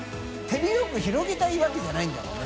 蟾広げたいわけじゃないんだもんね。